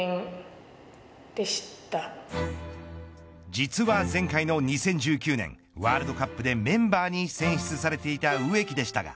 実は前回の２０１９年ワールドカップでメンバーに選出されていた植木でしたが